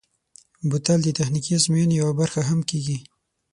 بوتل د تخنیکي ازموینو یوه برخه هم کېږي.